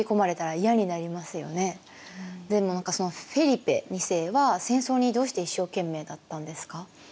でもフェリペ２世は戦争にどうして一生懸命だったんですか？